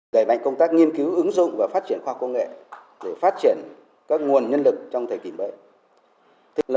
đẩy mạnh công tác nghiên cứu ứng dụng và phát triển khoa công nghệ để phát triển các nguồn nhân lực trong thời kỳ mới